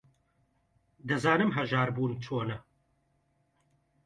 دەزانم ھەژار بوون چۆنە.